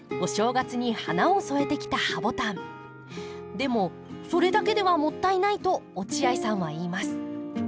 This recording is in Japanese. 「でもそれだけではもったいない」と落合さんは言います。